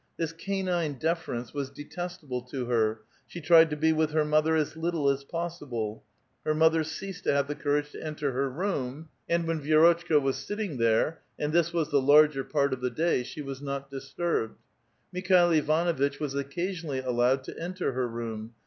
This canine deference was detestable to her ; she tried to be with her mother as little as possible. Her mother ceased to have the courage to enter her room^ i\ud 54 .1 VITAL QUESTION. when Vi(^*rotohka was sitting there, and this was the larger part of the day, slie was not disturbed. Mikhail Ivanuitch was occasionally allowed to enter her room.